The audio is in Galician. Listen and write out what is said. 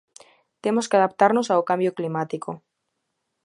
Temos que adaptarnos ao cambio climático.